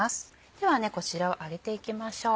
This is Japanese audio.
ではこちらを揚げていきましょう。